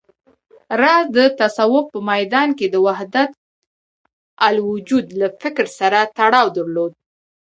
راز د تصوف په ميدان کې د وحدتالوجود له فکر سره تړاو درلود